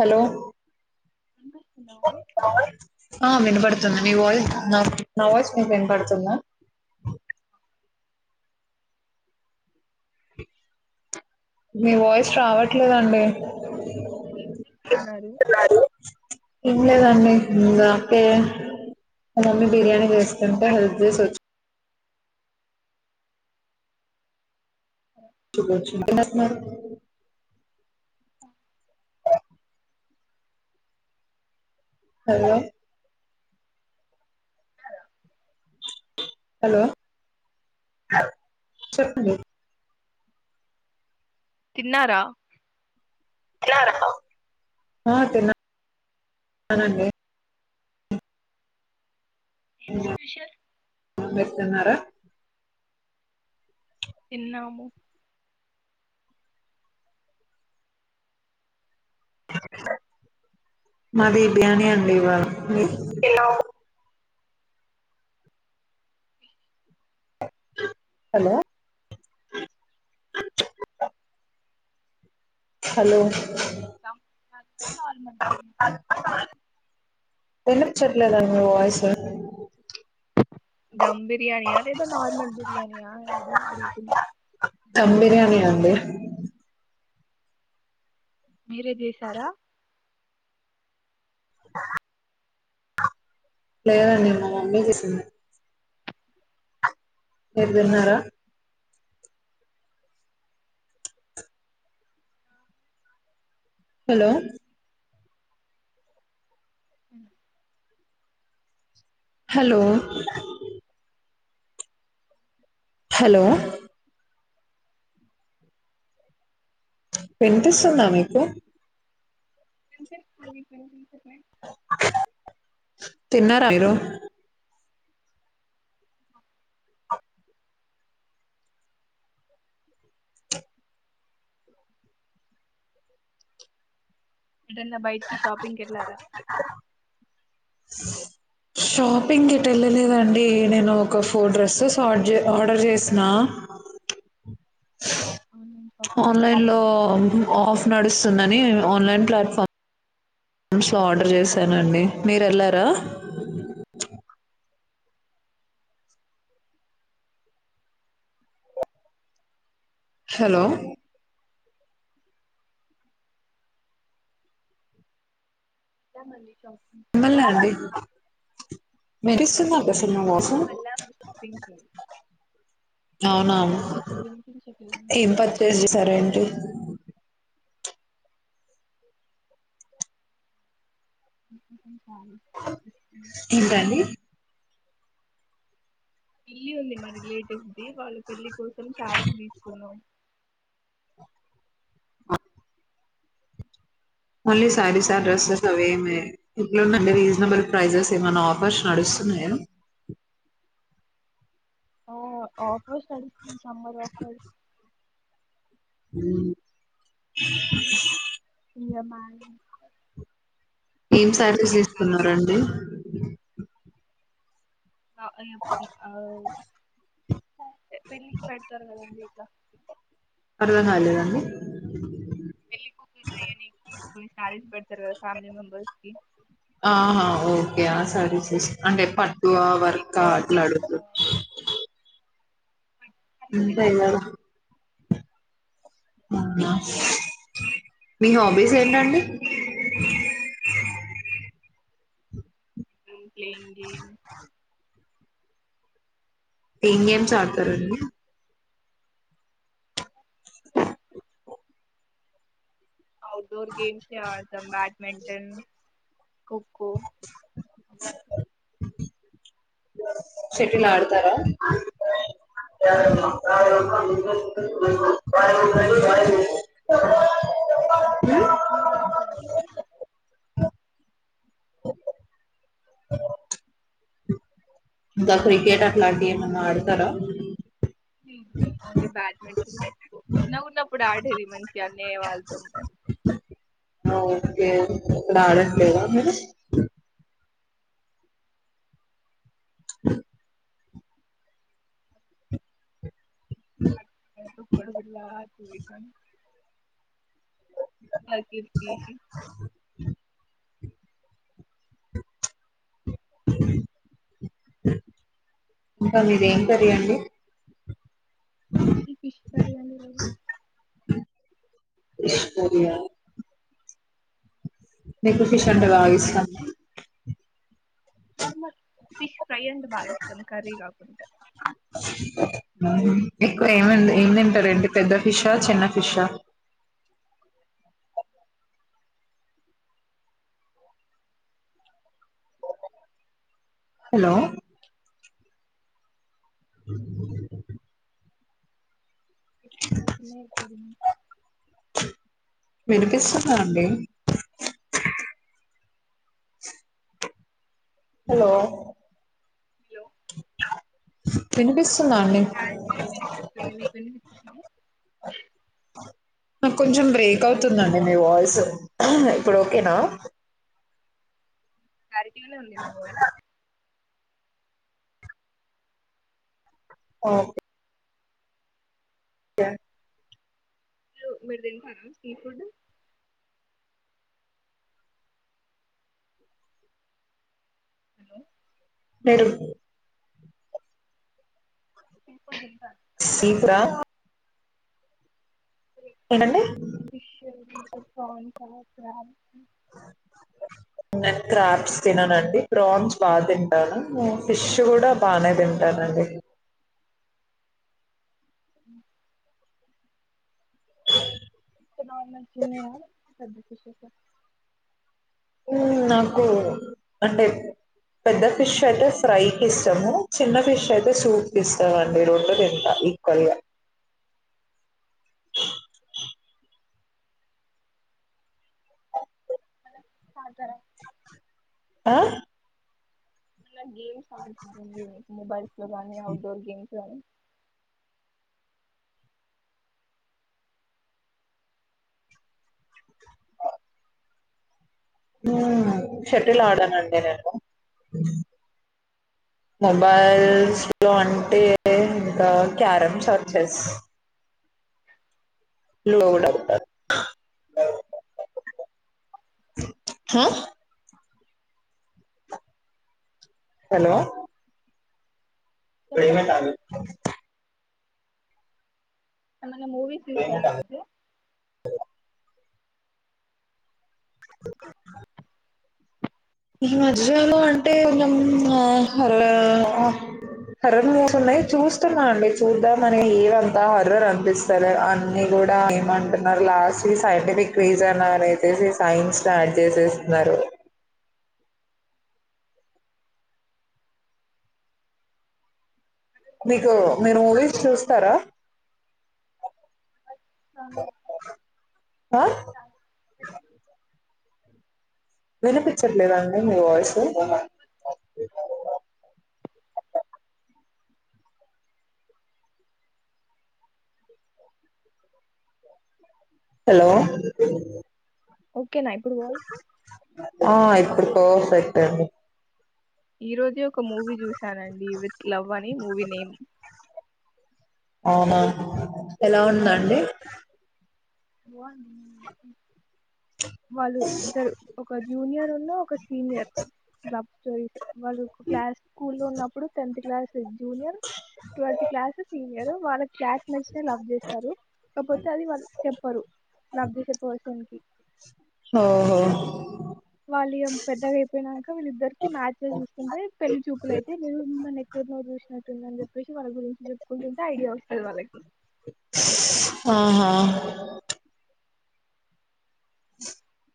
Hello వినిపిస్తుందోయ్ ఆ వినబడు మీ వాయిస్ నా వాయిస్ మీకు వినపడుతుందా మీ వాయిస్ రావట్లేదండి ఏం చేస్తున్నారు ఏంలేదండి ఇందాకే మా మమ్మీ బిర్యానీ చేస్తుంటే హెల్ప్ చేసి వచ్చ శుభచ్చిన [inaudible] ఎంజేస్తున్నారు ఆఓ [inaudible] హలో హలో చెప్పండి తిన్నారా ఆ తిన్నా ఆ తిన్నానండి ఏం స్పెషల్ మీరు తిన్నారా తిన్నాము మాది బిర్యానీ అండి ఇవాళ మీది హలో హలో నార్మల్ [inaudible] వినిపిచెట్లేదండి మీ వాయిసు దమ్ బిర్యాణియా లేద నార్మల్ బిర్యాణియా అది అడుగుతున్న దం బిర్యాణి అండి మీరే చేశారా [inaudible] లేదండి మా మమ్మీ చేసింది మీరు తన్నారా హలో ఉ హలో హలో వినిపిస్తుందా మీకు గుప్ప తిన్నారమీరు ఎడన్నా బయటికి షాపింగ్కి వెళ్లారా షాపింగ్ ఇట వెళ్ళలేదండి నేను ఒక ఫోర్ డ్రెస్సెస్ ఆ ఆర్డర్ చేసిన ఆన్లైన్ షాపింగ్ ఆన్లైన్ లో ఆఫ్ నడుస్ తునధి ఆన్లైన్ ప్లాట్ఫామ్మ్స్లో ఆర్డర్ చేశానండి మీరు వెళ్లారా హలో ఇ మళ్ళ చ మిమాల్నాండి మెడిసిన్ కోసం వెళ్ళాము షాపింగ్ కి అవునావును వినిపిస్తుంది మీకు వినిపించట్లేదా నా ఏం వాయిస్ పచ్చేజ చేసార ఏంటి అ తీపే అంది పిల్లి ఉంది మా రిలేటివ్స్ ది వాళ్ళ పెళ్లి కోసం శాలది తీసుకున్నాం మళ్లీ సారీ సార్ అవును డ్రెస్సెస్ అవేమి ఇట్లుందండి రీజనబుల్ ప్రైజెస్ ఏమైన్నా ఆఫర్స్ నడుస్తున్నాయా ఆ ఆఫర్స్ చ సబర ఫర్ ఉమ్ ఇ మ ఏం సర్వీస్ తీసుకున్నారండి [unintelligible] న [unintelligible] పెళ్లికి పెడతారు కదండి ఇడా [unintelligible] కాలేద అండి పెళ్లి ఫోకస్ చేయ్యనీకి కొన్ని సారీస్ పెడతారు కదా ఫ్యామిలీ మెంబర్స్ కి యా సరే స అంటే పట్టు ఆ బిగ్ వర్కా బార్డర్ అట్లా అడుగుతూరు ఆంథే వి వినాడు మీ హాబీస్ ఏంటండి ఐ యాం ప్లేయింగ్ గేమ్ ఎమ్ గేమ్స్ ఆడతారు అని బాడ్మింటన్ గేమ్స్ఏ ఆడతాం బ్యాడ్మింటన్ ఖోఖో సిటీలు ఆడుతారా మీరు ఆడతార ఇంకా క్రికెట్ అట్లాంటివి ఏమన్నా ఆడతారా? ఓన్లీ బ్యాడ్మింటన్ చిన్నపుడు ఆడేది మంచిగా అన్నయ్య వాళ్ళతో ఒక ఎప్పుడు ఆడట్లేదా [unintelligible] మేము పొడబిడ్ల [unintelligible] తీసి ఇంకా మీది ఏం కర్రి అండి అది ఫిష్ కర్రి ఆ అండి ఈ రోజు సరే ఆ నీకు టి షర్ట్ మా కావాలి ర ఇస్తా ఫార్మల్ ఫిష్ ఫ్రై అంట బాగాష్టాం కర్రీ కాకుండా హమ్ ఎక్కువ మా ఏం తింటారు అండి పెద్ద వాలు ఫిష్ హా చిన్న ఫిష్ హలో [unintelligible] [inaudible] వినిపిస్తుందా అండి అండి హలో వినిపిస్తుందా ఫోన్ లో అండి బ్లాక్ గానే వినిపిస్తుంది మీకు వినిపిస్తుందా నాకు కొంచెం బ్రేక్ అవుతుందండి మీ వాయిస్ ఇప్పుడు ఓకేనా క్లారిటీనే ఉంది మీ వాయిస్ ఆ లో మెరుదే స్ఫుడ్ హలో నడు కు సీకరా ఏంటండి విష మ కన్ సార్ స నేను క్రాబ్ తిననుండి ప్రాన్స్ బాగా తింటాను ఫిష్ కూడా బానే తింటానండి అ ప్ర నంచి కుస నాకు అంటే పెద్ద ఫిష్ అయితే ఫ్రైకి ఇష్టాము చిన్న ఫిష్ అయితే సూప్ ఇస్తామండి రెండు తింటా ఈక్వల్గా అతార ఆ గేమ్స్ ఆడత మొబైల్ చ ఔట్ డోర్ గేమ్స్ని షటిల్ ఆడానండి నేను మొబైల్స్లో అంటే ఇంకా క్యారంమ్ చర్చెస్ లోడ్ అవుతుంది హ హలో పేమెంట్ చెప్పండి ఆగదు ఏమైనా మూవీస్ తీసారా ఈమధ్య [inaudible] ఈ మధ్యాల అంటేం హర హర మోసంన్నాయి చూస్తున్నా అండి చూద్దామని ఏవంతా హర్రర్ అనిపిస్తారు అన్ని కూడా ఏమంటున్నారు లాస్ట్ సైంటిఫిక్ రీజన్ అనిసేసి తేసి సైన్స్ ను ఆడ్ చేసేస్తున్నారు మీకు మీరు మూవీస్ చూస్తారా ఆ వినిపించట్లేదండి మీ వాయిసు హలో ఓకే ఒకేనాయి ఎప్పుడూ వాయిస్ ఆ ఇప్పుడు పర్ఫెక్ట్ అది ఈ రోజే ఒక ఒక మూవీ చూసానండి విత్ లవ్ అని మూవీ నేమ్ అవునా ఎలా ఉందండి పో వాళ్ళు ఇద్దరు ఒక జూనియర్ ఉన్న ఒక సీనియర్ లవ్ స్టోరీస్ వాళ్ళు క్లాస్ స్కూల్ ఉన్నప్పుడు tenth class junior twelve class senior వాళ్ళ క్లాస్ మేట్స్ లవ్ చేస్తారు కాకపోతే అది వాళ్ళ చెప్పరు లబ్ధ చెప్పవస ఓహో వాళ్ళి పెద్దగా అయిపోయినాక వీళ్ళిద్దరికి మ్యాచెస్ చూస్తుంటే పెళ్లి చూపుల అయితే నేను మిమ్మల్ని ఎక్కడినో చూసిన వాళ్ళదర్నీ చెప్పేసి వాళ్ళ గురించి చెప్పుకుంటుంటే ఐడియా వస్తుంది వాళ్ళకి ఆహా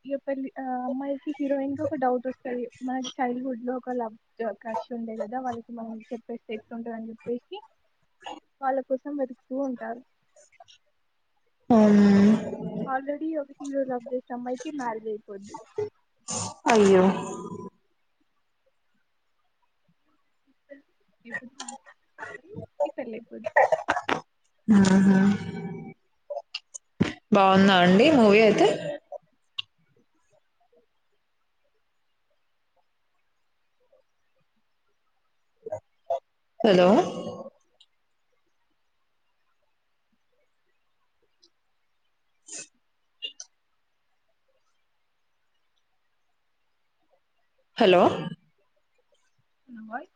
ఇ పల్లి ఆ అమ్మాయికి హీరోయిన్ కి ఒక డౌట్ వస్తుంది మన చైల్డ్ హుడ్ లో ఒక లవ్ క్రష్ ఉండే కదా వాళ్ళకి మనం చెప్పేస్త ఎక్ట్తుంటుంద అని చెప్పేసి వాళ్ళ కోసం వెతుకుతూ ఉంటారు అ ఆల్రెడీ ఒక కిలో రబ్ జేయ్ క సమ్మాకి నాలుగయిపోదు అయ్యో పెళ్లై పోది బాగుందా అండి మూవీ అయితే హలో [unintelligible] హలో నా వాయిస్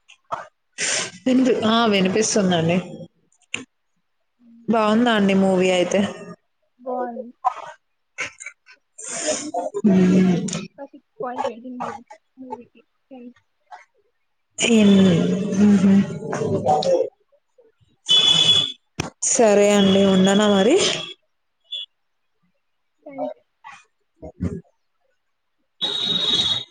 విని ఆ వినిపిస్తుందండి బాగుందా అండి మూవీ అయితే బావుంది [unintelligible] బ పట్ రెడింది [unintelligible] సరే అండి ఉన్నానా మరి థ్యాంక్యూ [unintelligible]